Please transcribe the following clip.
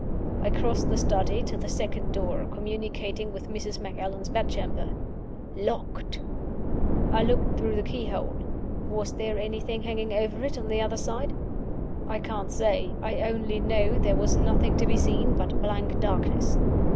I crossed the study to the second door, communicating with Mrs. Macallan's bedchamber. Locked! I looked through the keyhole Was there something hanging over it, on the other side? I can't say I only know there was nothing to be seen but blank darkness.